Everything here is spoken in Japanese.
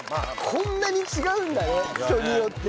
こんなに違うんだね人によってね。